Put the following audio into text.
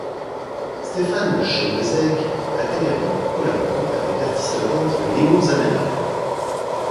Stéphane Chaudesaigues a également collaboré avec l'artiste peintre Léon Zanella.